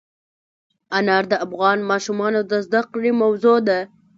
انار د افغان ماشومانو د زده کړې موضوع ده.